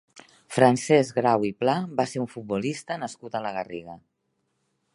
Francesc Grau i Pla va ser un futbolista nascut a la Garriga.